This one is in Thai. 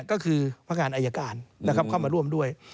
ก็คือพนักงานอายการนะครับเข้ามาร่วมด้วย